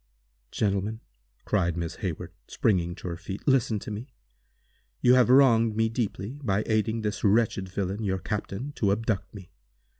"Gentlemen," cried Miss Hayward, springing to her feet, "listen to me. You have wronged me deeply, by aiding this wretched villain, your captain, to abduct me.